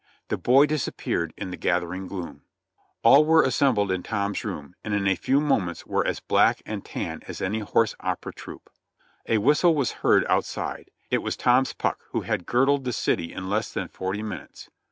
The boy disappeared in the gathering gloom. All were assembled in Tom's room, and in a few moments were as black and tan as any horse opera troupe. A whistle was heard c>iitside; it was Tom's Puck, who had girdled the city in less than forty minutes.